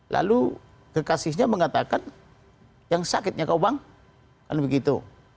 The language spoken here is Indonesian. lalu kekasihnya mengatakan yang sakitnya kau bang kan begitu